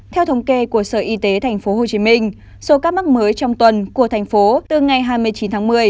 theo thống kê của sở y tế tp hcm số ca mắc mới trong tuần của thành phố từ ngày hai mươi chín tháng một mươi